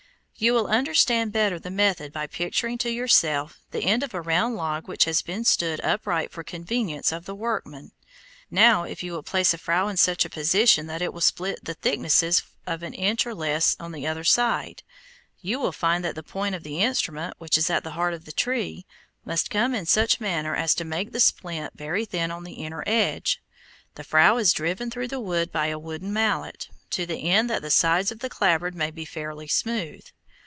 You will understand better the method by picturing to yourself the end of a round log which has been stood upright for convenience of the workmen. Now, if you place a frow in such a position that it will split the thicknesses of an inch or less from the outer side, you will find that the point of the instrument, which is at the heart of the tree, must come in such manner as to make the splint very thin on the inner edge. The frow is driven through the wood by a wooden mallet, to the end that the sides of the clapboard may be fairly smooth.